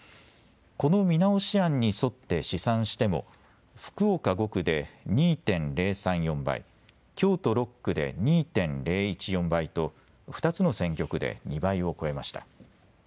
この見直し案に沿って試算しても福岡５区で２．０３４倍、京都６区で２．０１４倍と２つの選挙区で２倍を超えました。